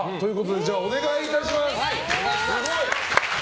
ではお願いいたします！